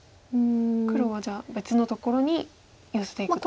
黒はじゃあ別のところにヨセていくと。